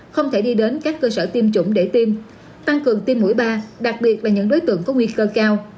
không thể đi đến các cơ sở tiêm chủng để tiêm tăng cường tiêm mũi ba đặc biệt là những đối tượng có nguy cơ cao